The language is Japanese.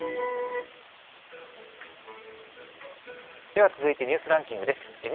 では続いてニュースランキングです。